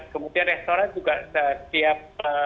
kemudian restoran juga setiap